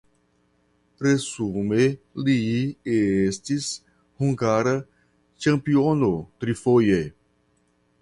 Resume li estis hungara ĉampiono trifoje.